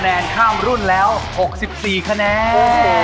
แนนข้ามรุ่นแล้ว๖๔คะแนน